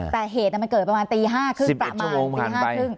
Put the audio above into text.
แต่เหตุมันเกิดประมาณตีห้าครึ่งประมาณสิบเอ็ดชั่วโมงผ่านไป